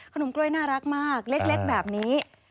กล้วยน่ารักมากเล็กแบบนี้